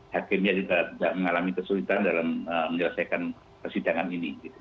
hakimnya juga tidak mengalami kesulitan dalam menyelesaikan persidangan ini